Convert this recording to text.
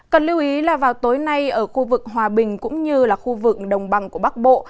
cần lưu ý là vào tối nay ở khu vực hòa bình cũng như là khu vực đồng bằng của bắc bộ